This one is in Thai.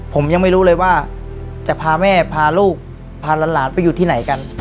ผมยังไม่รู้เลยว่าจะพาแม่พาลูกพาหลานไปอยู่ที่ไหนกัน